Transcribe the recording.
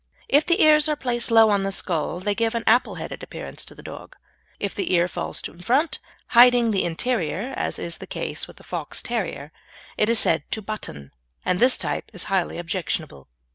If the ears are placed low on the skull they give an appleheaded appearance to the dog. If the ear falls in front, hiding the interior, as is the case with a Fox terrier, it is said to "button," and this type is highly objectionable.